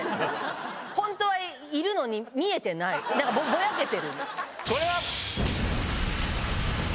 ぼやけてる。